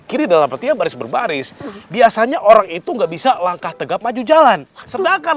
kiri dalam artian baris berbaris biasanya orang itu nggak bisa langkah tegap maju jalan sedangkan